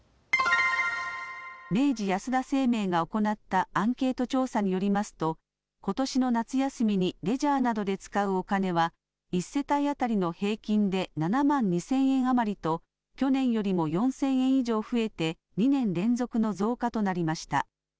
明治安田生命が行ったアンケート調査によりますとことしの夏休みにレジャーなどで使うお金は１世帯当たりの平均で７万２０００円余りと去年よりも４０００円以上増えて２年連続の増加となりました。